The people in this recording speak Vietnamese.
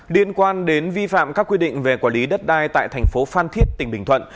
điện quan đến vi phạm các quy định về quản lý đất đai tại tp phan thiết tỉnh bình thuận